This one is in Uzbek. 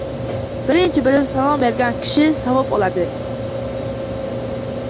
Birinchi boʻlib salom bergan kishi savob oladi.